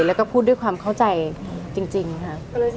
แล้วก็พูดด้วยความเข้าใจจริงค่ะ